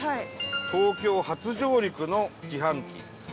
「東京初上陸の自販機ゴトカン」。